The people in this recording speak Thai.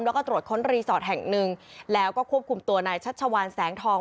แล้วก็ตรวจค้นรีสอร์ทแห่งหนึ่งแล้วก็ควบคุมตัวนายชัชวานแสงทอง